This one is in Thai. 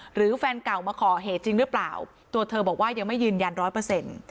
หรือแฟนเก่ามาขอเหตุจริงหรือเปล่าตัวเธอบอกว่ายังไม่ยืนยัน๑๐๐